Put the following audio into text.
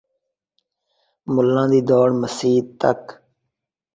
بھریئے تھاں ول ول بھریندن